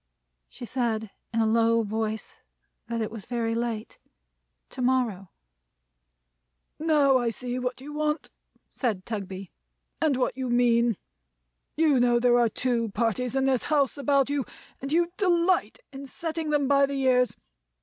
She said, in a low voice, that it was very late. To morrow. "Now I see what you want," said Tugby; "and what you mean. You know there are two parties in this house about you, and you delight in setting them by the ears.